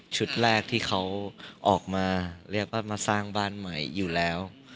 แรกที่เขาออกมาเรียกว่ามาสร้างบ้านใหม่อยู่แล้ว